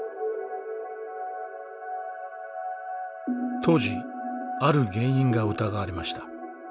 当時ある原因が疑われました。